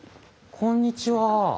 こんにちは。